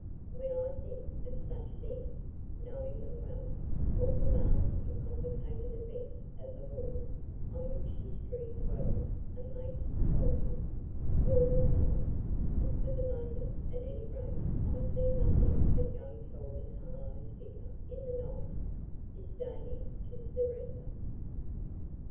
(When I think of such things, knowing them well, all the vast and complicated events of the war, on which history dwells and makes its volumes, fall aside, and for the moment at any rate I see nothing but young Calvin Harlowe's figure in the night, disdaining to surrender.)